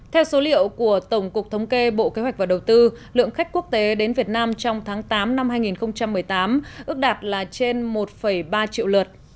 theo số liệu của tổng cục thống kê bộ kế hoạch và đầu tư lượng khách quốc tế đến việt nam trong tháng tám năm hai nghìn một mươi tám ước đạt là trên một ba triệu lượt